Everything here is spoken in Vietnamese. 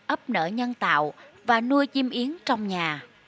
ấp nợ nhân tạo và nuôi chim yến trong nhà